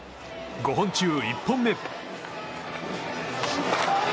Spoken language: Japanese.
５本中１本目。